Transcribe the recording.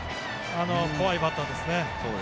怖いバッターですね。